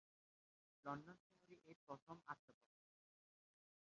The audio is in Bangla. লন্ডন শহরে এর প্রথম আত্মপ্রকাশ ঘটে।